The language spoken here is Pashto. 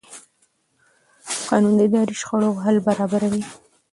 قانون د اداري شخړو حل برابروي.